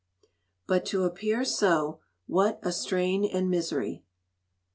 [...BUT TO APPEAR SO, WHAT A STRAIN AND MISERY!